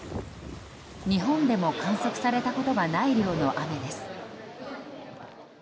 日本でも観測されたことがない量の雨です。